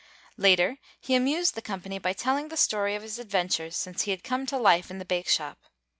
Later he amused the company by telling the story of his adventures since he had come to life in the bake shop.